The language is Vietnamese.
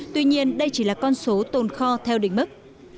tuy nhiên đây chỉ là con số tồn kho theo đỉnh mức